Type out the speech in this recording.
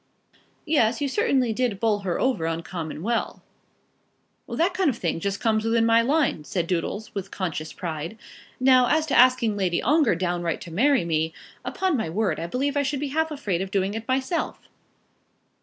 "Yes; you certainly did bowl her over uncommon well." "That kind of thing just comes within my line," said Doodles, with conscious pride. "Now, as to asking Lady Ongar downright to marry me, upon my word I believe I should be half afraid of doing it myself."